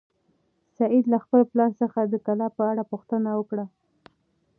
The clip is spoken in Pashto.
سعید له خپل پلار څخه د کلا په اړه پوښتنه وکړه.